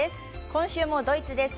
今週もドイツです。